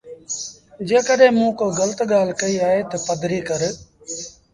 جيڪڏهينٚ موٚنٚ ڪو گلت ڳآل ڪئيٚ اهي تا پدريٚ ڪر۔